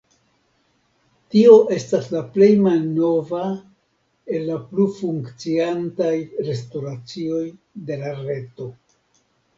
Tio estas la plej malnova el la plu funkciantaj restoracioj de la reto.